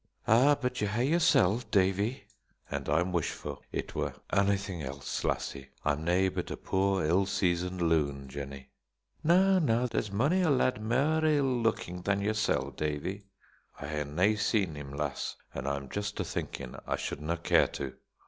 "Ah, but ye hae yoursel', Davie!" "An' I'm wishfu' it wa' onything else, lassie. I'm nae but a puir ill seasoned loon, Jennie." "Na, na; there's mony a lad mair ill looking than yoursel', Davie." "I hae na seen him, lass, and I'm just a thinkin' I shouldna' care to."